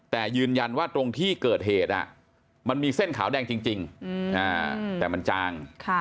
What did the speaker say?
แต่ยืนยันว่าตรงที่เกิดเหตุมันมีเส้นขาวแดงจริงแต่มันจาง